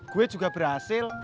gue juga berhasil